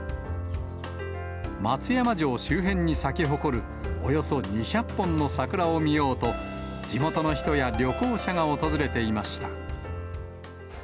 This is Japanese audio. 松山城周辺に咲き誇るおよそ２００本の桜を見ようと、地元の人や旅行者が訪れていました。